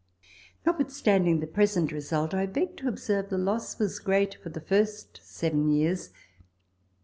Notwithstanding the present result, I beg to observe the loss was great for the first seven years.